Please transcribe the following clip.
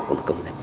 một công dân